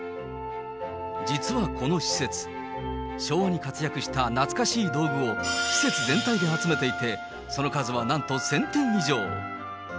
実はこの施設、昭和に活躍した懐かしい道具を施設全体で集めていて、その数はなんと１０００点以上。